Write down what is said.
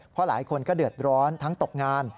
เพราะหลายคนก็เดือดร้อนทั้งตกงาน